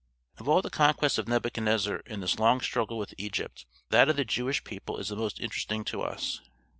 Of all the conquests of Nebuchadnezzar in this long struggle with Egypt, that of the Jewish people is the most interesting to us.